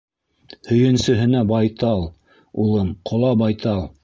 — Һөйөнсөһөнә байтал, улым, ҡола байтал.